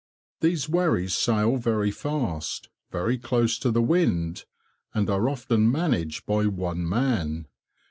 These wherries sail very fast, very close to the wind, and are often managed by one man.